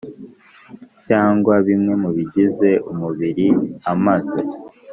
Cyangwa bimwe mu bigize umubiri amaze